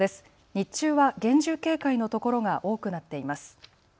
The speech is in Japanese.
日中は厳重警戒の所が多くなっています。